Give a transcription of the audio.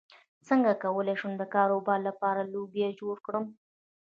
څنګه کولی شم د کاروبار لپاره لوګو جوړ کړم